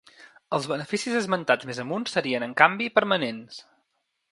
Els beneficis esmentats més amunt serien, en canvi, permanents.